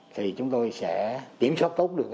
thì chúng tôi sẽ kiểm soát tốt được